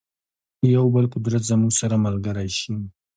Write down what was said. یو بل قدرت زموږ سره ملګری شي.